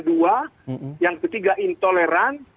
dua yang ketiga intoleran